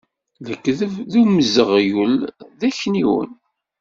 Lekdeb d umzeɣyul d akniwen.